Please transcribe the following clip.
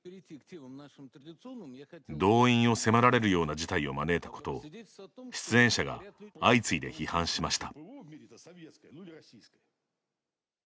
動員を迫られるような事態を招いたことを出演者が相次いで批判しました。